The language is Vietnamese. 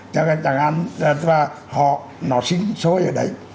chẳng hạn là họ nó sinh sôi ở đấy